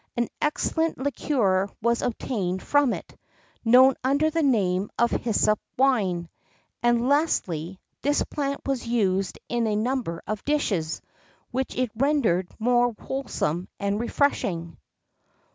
[X 23] An excellent liqueur was obtained from it, known under the name of hyssop wine;[X 24] and lastly, this plant was used in a number of dishes, which it rendered more wholesome and refreshing.